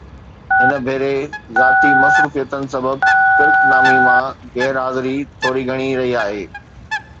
هن ڀيري ذاتي مصروفيتن سبب ڪرڪ نامي مان غير حاضري ٿوري گهڻي رهي آهي